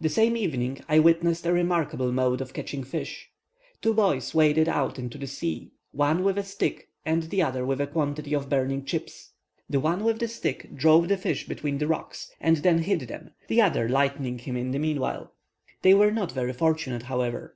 The same evening I witnessed a remarkable mode of catching fish. Two boys waded out into the sea, one with a stick, and the other with a quantity of burning chips. The one with the stick drove the fish between the rocks, and then hit them, the other lighting him in the meanwhile. They were not very fortunate, however.